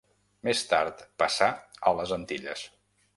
Més tard passà a les Antilles.